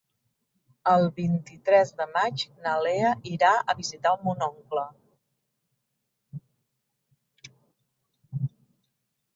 El vint-i-tres de maig na Lea irà a visitar mon oncle.